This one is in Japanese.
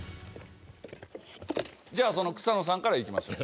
じゃあ草野さんからいきましょう。